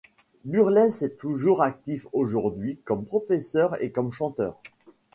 Burles est toujours actif aujourd'hui comme professeur et comme chanteur.